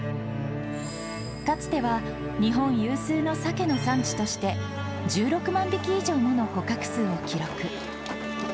かつては日本有数のサケの産地として、１６万匹以上もの捕獲数を記録。